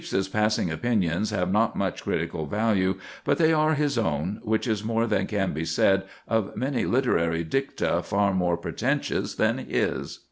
Pepys's passing opinions have not much critical value, but they are his own, which is more than can be said of many literary dicta far more pretentious than his.